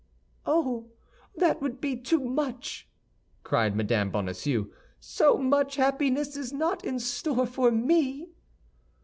"Oh, that would be too much!" cried Mme. Bonacieux, "so much happiness is not in store for me!"